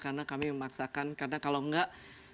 karena kami memaksakan karena kalau enggak